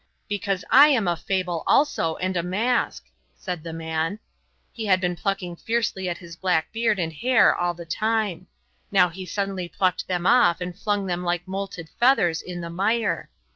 "Because I am a fable also and a mask," said the man. He had been plucking fiercely at his black beard and hair all the time; now he suddenly plucked them off and flung them like moulted feathers in the mire.